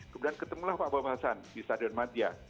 kemudian ketemu pak bobasan di stadion madia